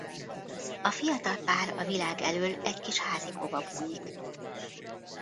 A fiatal pár a világ elől egy kis házikóba bújik.